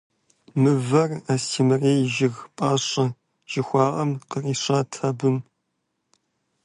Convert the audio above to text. Мывэр «Астемырей жыг пӀащӀэ» жыхуаӀэм къришат абы.